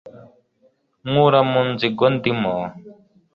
nkura mu nzigo ndimo